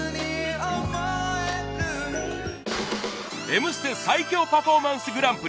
『Ｍステ』最強パフォーマンスグランプリ